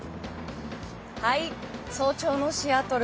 早朝のシアトル。